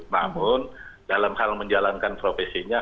namun dalam hal menjalankan profesinya